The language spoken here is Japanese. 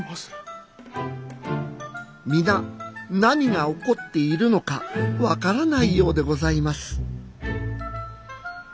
皆何が起こっているのか分からないようでございます